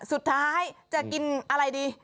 สุดท้ายจะกินอะไรดี